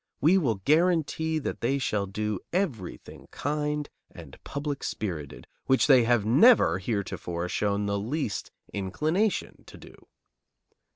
We will guarantee that they shall do everything kind and public spirited, which they have never heretofore shown the least inclination to do."